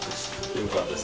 よかったです